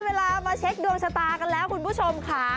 เวลามาเช็คดวงชะตากันแล้วคุณผู้ชมค่ะ